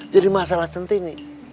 jadi masalah sendiri nih